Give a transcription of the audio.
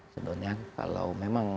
sebenarnya kalau memang